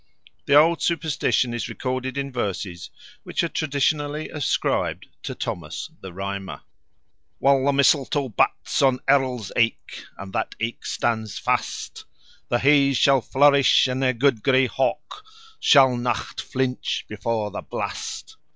The old superstition is recorded in verses which are traditionally ascribed to Thomas the Rhymer: While the mistletoe bats on Errol's aik, And that aik stands fast, The Hays shall flourish, and their good grey hawk Shall nocht flinch before the blast.